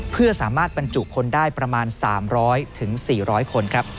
เพื่อสามารถบรรจุคนได้ประมาณ๓๐๐๔๐๐คนครับ